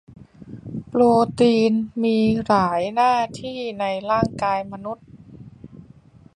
โปรตีนมีหลายหน้าที่ในร่ายกายมนุษย์